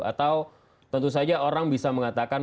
atau tentu saja orang bisa mengatakan